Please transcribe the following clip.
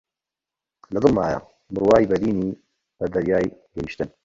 لە دڵمایە بڕوای بەرینی بە دەریا گەیشتن